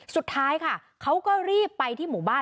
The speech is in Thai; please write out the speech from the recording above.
สุดท้ายค่ะเขาก็รีบไปที่หมู่บ้าน